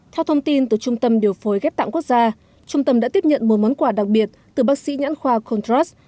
theo thông tin từ trung tâm điều phối ghép tạng quốc gia trung tâm đã tiếp nhận một món quà đặc biệt từ bác sĩ nhãn khoa contras